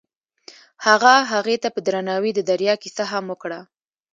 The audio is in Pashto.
هغه هغې ته په درناوي د دریا کیسه هم وکړه.